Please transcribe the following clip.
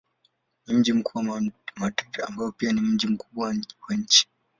Mji mkuu ni Madrid ambayo ni pia mji mkubwa wa nchi.